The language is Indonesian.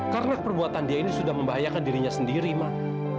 karena perbuatan dia ini sudah membahayakan dirinya sendiri mak